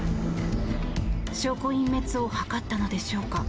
証拠隠滅を図ったのでしょうか。